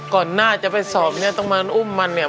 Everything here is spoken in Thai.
ก่อนหน้าจะไปสอบเนี่ยต้องมาอุ้มมันเนี่ย